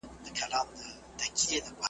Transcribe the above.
منت واخله، ولي منت مکوه .